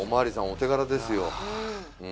お手柄ですよ